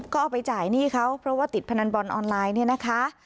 ก็เอาไปจ่ายหนี้เขาเพราะว่าติดพนันบอลออนไลน์เนี่ยนะคะ